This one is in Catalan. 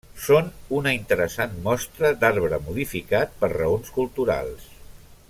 Són una interessant mostra d'arbre modificat per raons culturals.